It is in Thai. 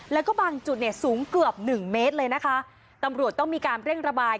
แล้วก็บางจุดเนี่ยสูงเกือบหนึ่งเมตรเลยนะคะตำรวจต้องมีการเร่งระบาย